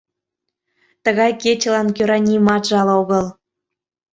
Тыгай кечылан кӧра нимат жал огыл.